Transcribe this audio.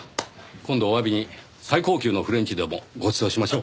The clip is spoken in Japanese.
今度お詫びに最高級のフレンチでもごちそうしましょう。